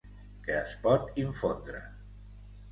Que es pot infondre.